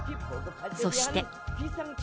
そして。